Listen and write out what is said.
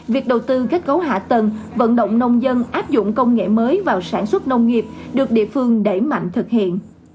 việc đầu tư kết cấu hạ tầng vận động nông dân áp dụng công nghệ mới vào sản xuất nông nghiệp được địa phương đẩy mạnh thực hiện